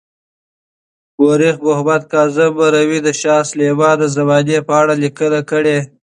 مورخ محمد کاظم مروي د شاه سلیمان د زمانې په اړه لیکنه کړې.